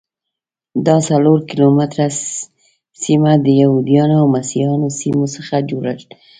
دا څلور کیلومتره سیمه د یهودانو او مسیحیانو سیمو څخه جوړه ده.